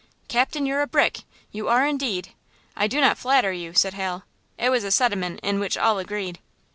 "Captain, you're a brick! You are indeed! I do not flatter you!" said Hal. It was a sentiment in which all agreed.